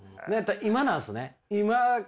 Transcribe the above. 今なんですね。